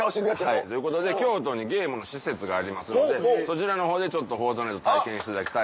はいということで京都にゲームの施設がありますのでそちらのほうで『フォートナイト』体験していただきたい。